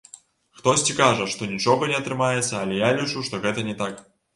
Хтосьці кажа, што нічога не атрымаецца, але я лічу, што гэта не так.